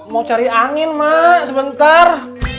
mau cari angin mak sebentar